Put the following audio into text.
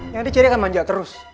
yang ada cherry akan manja terus